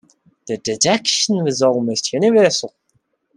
The dejection was almost universal.